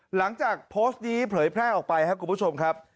หลังจากโพสต์นี้เผยแพร่ออกไปครับคุณผู้ชมครับ